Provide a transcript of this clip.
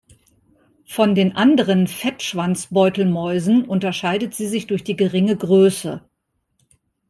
Von den anderen Fettschwanz-Beutelmäusen unterscheidet sie sich durch die geringe Größe.